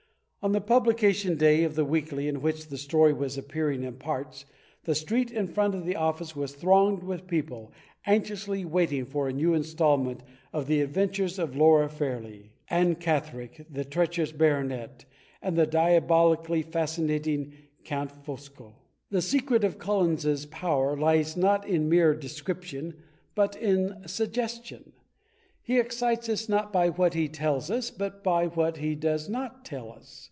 On the publication day of the weekly in which the story was appearing in parts, the street in front of the oflBice was thronged with people anxiously waiting for a new instalment of the adventures of Laura Fairleigh, Ann Catherick, the treacherous Baronet, and the diabolically fascinating Count Fosco. The secret of Collinses power lies not in mere description but in suggestion. He excites us not by what he tells us but what he does not tell us.